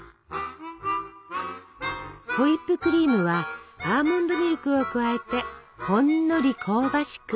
ホイップクリームはアーモンドミルクを加えてほんのり香ばしく。